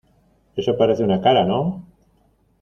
eso parece una cara, ¿ no?